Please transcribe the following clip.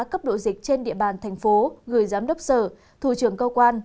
cấp độ dịch trên địa bàn thành phố gửi giám đốc sở thủ trưởng cơ quan